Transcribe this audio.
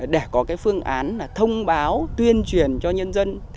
để có phương án thông báo tuyên truyền cho nhân dân